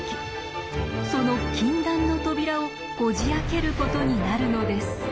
その禁断の扉をこじあけることになるのです。